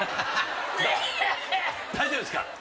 大丈夫っすか？